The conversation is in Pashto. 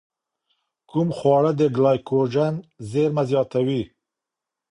کوم خواړه د ګلایکوجن زېرمه زیاتوي؟